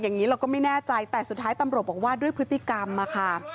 อย่างนี้เราก็ไม่แน่ใจแต่สุดท้ายตำรวจบอกว่าด้วยพฤติกรรมอะค่ะ